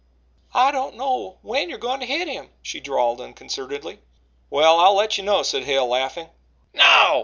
"I don't know when you're goin' to hit him," she drawled unconcernedly. "Well, I'll let you know," said Hale laughing. "Now!"